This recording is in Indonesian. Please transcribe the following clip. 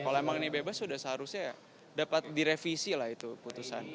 kalau memang ini bebas sudah seharusnya dapat direvisi lah itu putusan